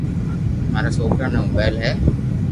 مارا سوڪرا ني موبائل ھي